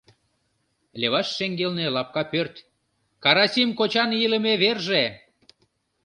Леваш шеҥгелне лапка пӧрт — Карасим кочан илыме верже.